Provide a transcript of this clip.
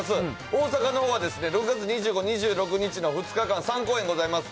大阪のほうは６月２５、２６日の２日間、３公演ございます。